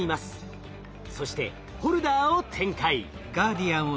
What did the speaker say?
そしてホルダーを展開。